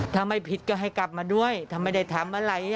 ถ้าไม่ผิดก็ให้กลับมาด้วยถ้าไม่ได้ทำอะไร